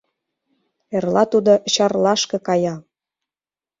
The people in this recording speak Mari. Эрла тудо Чарлашке кая.